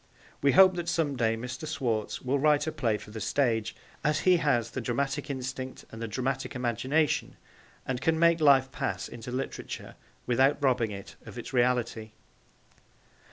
We hope that some day Mr. Schwartz will write a play for the stage, as he has the dramatic instinct and the dramatic imagination, and can make life pass into literature without robbing it of its reality.